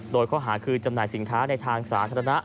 โดยข้อหาคือจำหน่ายสินค้าในทางสาธารณะ